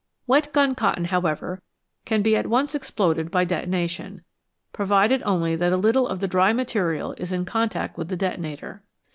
Wet gun cotton, however, can be at once exploded by detonation, provided only that a little of the dry material is in contact with the detonator.